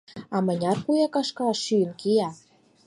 А мыняр куэ кашка шӱйын кия!